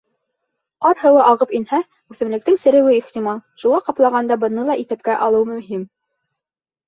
Ҡар һыуы ағып инһә, үҫемлектең сереүе ихтимал, шуға ҡаплағанда быны ла иҫәпкә алыу мөһим.